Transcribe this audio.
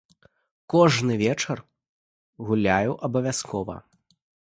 Кожны вечар гуляю абавязкова.